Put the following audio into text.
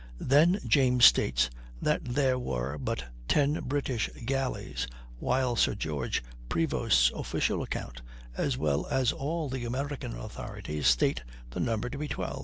Then James states that there were but 10 British gallies, while Sir George Prevost's official account, as well as all the American authorities, state the number to be 12.